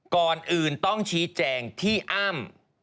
ก่อนอื่นต้องชี้แจงที่อ้ำ